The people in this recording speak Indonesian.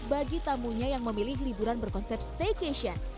bagi tamunya yang memilih liburan berkonsep staycation